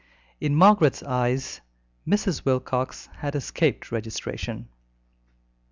In Margaret's eyes Mrs. Wilcox had escaped registration.